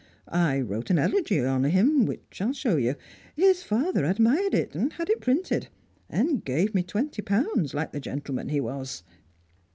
I wrote an elegy on him, which I'll show you. His father admired it, had it printed, and gave me twenty pounds, like the gentleman he was!"